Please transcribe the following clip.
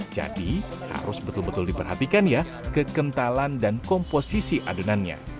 jadi harus betul betul diperhatikan ya kekentalan dan komposisi adonannya